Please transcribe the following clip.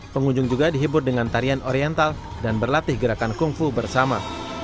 pengunjung juga dihibur dengan tarian oriental dan berlatih gerakan kungfu bersama